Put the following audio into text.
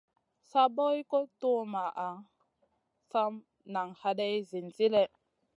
Sa poy guʼ tuwmaʼna, sa nan haday zinzi lèh.